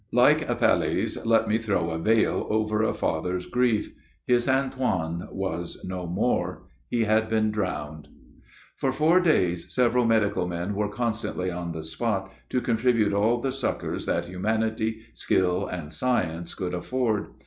Like Apelles, let me throw a vail over a father's grief. His Antoine was no more, he had been drowned. For four days several medical men were constantly on the spot, to contribute all the succors that humanity, skill, and science could afford.